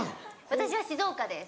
私は静岡です。